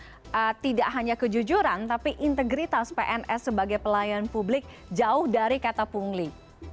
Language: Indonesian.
ini tidak hanya kejujuran tapi integritas pns sebagai pelayan publik jauh dari kata pungli